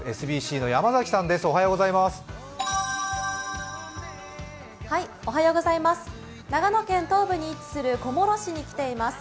ＳＢＣの山崎さんです、おはようございます。